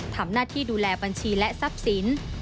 ทำหน้าที่ดูแลบัญชีและทรัพย์สิน